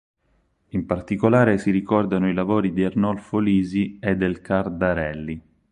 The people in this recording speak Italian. In particolare si ricordano i lavori di Arnolfo Lisi e del Cardarelli.